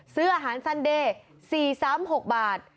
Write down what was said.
ซื้ออาหารซันเดย์๔๓๖บาท